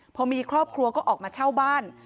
พอมีครอบครัวก็ออกมาเช่าบ้าน